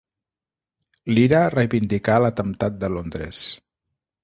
L'IRA reivindicà l'atemptat de Londres.